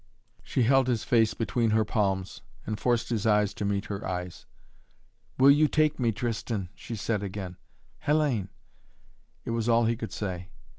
She held his face between her palms and forced his eyes to meet her eyes. "Will you take me, Tristan?" she said again. "Hellayne " It was all he could say.